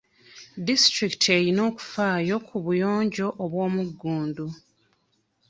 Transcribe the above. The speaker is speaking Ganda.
Disitulikiti eyina okufaayo ku buyonjo obw'omugundu.